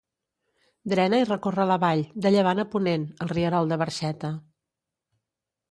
Drena i recorre la vall, de llevant a ponent, el rierol de Barxeta.